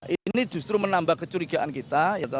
ini justru menambah kecurigaan kita